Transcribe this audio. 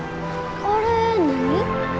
あれ何？